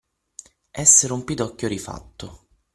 Essere un pidocchio rifatto.